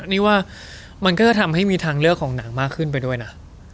นี่ว่ามันก็จะทำให้มีทางเลือกของหนังมากขึ้นไปด้วยนะ